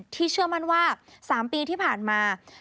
เชื่อมั่นว่า๓ปีที่ผ่านมา